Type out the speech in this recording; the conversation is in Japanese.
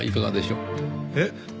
えっ？